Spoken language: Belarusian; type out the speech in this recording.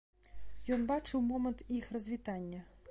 Ён бачыў момант іх развітання.